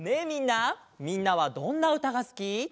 みんなみんなはどんなうたがすき？